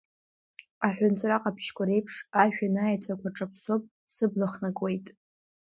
Аҳәынҵәра ҟаԥшьқәа реиԥш, ажәҩан аеҵәақәа аҿаԥсоуп, сыбла хнахуеит…